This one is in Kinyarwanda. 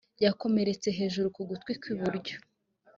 yakomeretse hejuru ku gutwi kw’iburyo